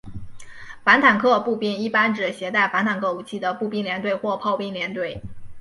反坦克步兵一般指携带反坦克武器的步兵连队或炮兵连队。